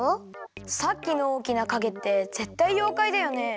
さっきのおおきなかげってぜったいようかいだよね？